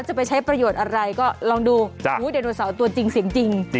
จะไปใช้ประโยชน์อะไรก็ลองดูไดโนเสาร์ตัวจริงเสียงจริง